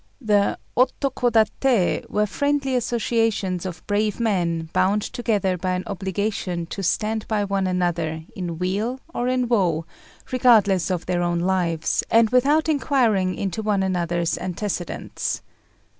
The Otokodaté were friendly associations of brave men bound together by an obligation to stand by one another in weal or in woe, regardless of their own lives, and without inquiring into one another's antecedents.